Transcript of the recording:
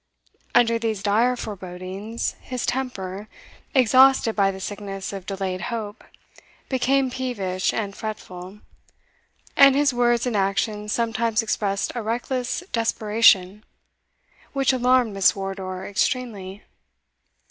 Under these dire forebodings, his temper, exhausted by the sickness of delayed hope, became peevish and fretful, and his words and actions sometimes expressed a reckless desperation, which alarmed Miss Wardour extremely.